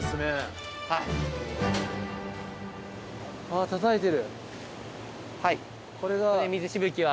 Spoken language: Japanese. あったたいてる。